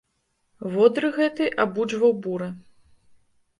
Водыр гэты абуджваў буры.